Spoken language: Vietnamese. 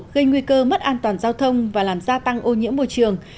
gây nguy cơ mất an toàn giao thông và làm gia tăng ô nhiễm môi trường